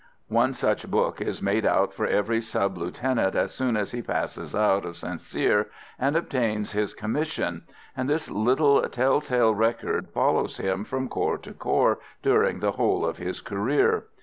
One such book is made out for every sub lieutenant as soon as he passes out of St Cyr and obtains his commission, and this little tell tale record follows him from corps to corps during the whole of his career.